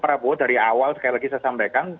prabowo dari awal sekali lagi saya sampaikan